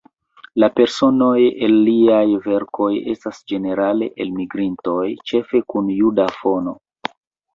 La personoj en liaj verkoj estas ĝenerale elmigrintoj, ĉefe kun juda fono.